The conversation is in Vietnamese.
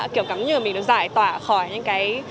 kiểu như mình được giải tỏa khỏi những cái